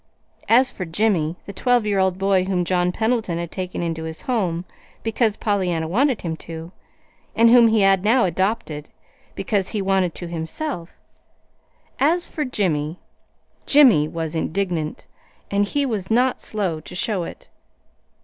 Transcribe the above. As for Jimmy, the twelve year old boy whom John Pendleton had taken into his home because Pollyanna wanted him to, and whom he had now adopted because he wanted to himself as for Jimmy, Jimmy was indignant, and he was not slow to show it.